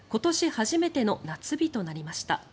初めての夏日となりました。